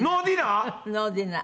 ノーディナー。